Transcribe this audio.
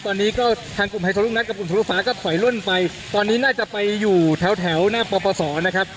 ตอนนี้ก็ทางกลุ่มไฮโซลูกนัดกับกลุ่มทะลุฟ้าก็ถอยล่นไปตอนนี้น่าจะไปอยู่แถวแถวหน้าปปศนะครับ